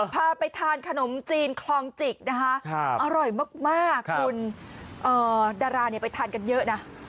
พาไปทานขนมจีนคลองจิกนะคะอร่อยมากคุณดาราไปทานกันเยอะนะ